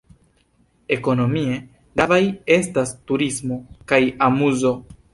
Ekonomie gravaj estas turismo kaj amuzo.